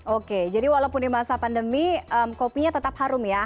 oke jadi walaupun di masa pandemi kopinya tetap harum ya